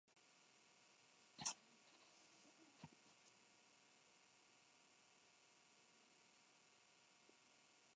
Pidió clemencia a María Cristina de Borbón, pero le fue denegada.